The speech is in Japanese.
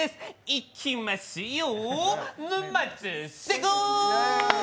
いっきますよ！